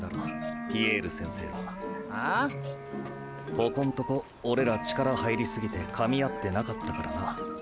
ここんとこオレら力入りすぎてかみ合ってなかったからな。